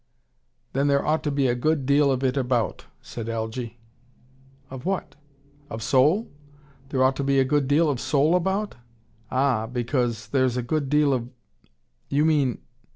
"Then there ought to be a good deal of it about," said Algy. "Of what? Of soul? There ought to be a good deal of soul about? Ah, because there's a good deal of , you mean.